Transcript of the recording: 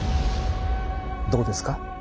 どうですか？